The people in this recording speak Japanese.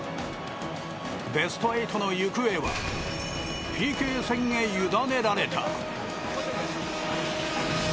ベスト８の行方はＰＫ戦へゆだねられた。